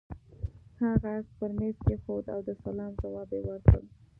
هغه عکس پر مېز کېښود او د سلام ځواب يې ورکړ.